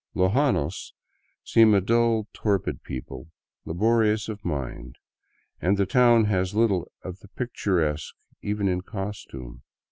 Lojanos seemed a dull, torpid people, laborious of mind, and the town has little of the pic turesque, even in costume.